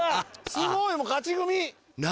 すごいもう勝ち組！